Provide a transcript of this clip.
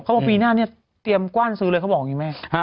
เขาบอกปีหน้าเตรียมกว้านซื้อเลยเขาบอกอย่างนี้ไหม